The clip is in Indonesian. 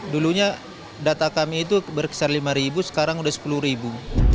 dulunya data kami itu berkisar lima sekarang sudah sepuluh ribu